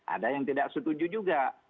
ada yang tidak setuju juga